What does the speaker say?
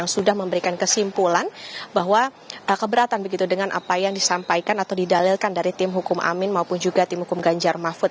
sudah memberikan kesimpulan bahwa keberatan begitu dengan apa yang disampaikan atau didalilkan dari tim hukum amin maupun juga tim hukum ganjar mahfud